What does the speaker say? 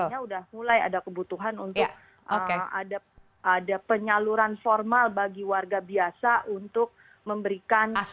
artinya sudah mulai ada kebutuhan untuk ada penyaluran formal bagi warga biasa untuk memberikan